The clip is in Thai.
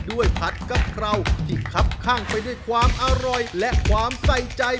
ผัดกะเพราที่คับข้างไปด้วยความอร่อยและความใส่ใจ